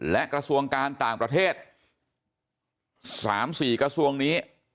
และกระทรวงการต่างประเทศ๓๔กระทรวงนี้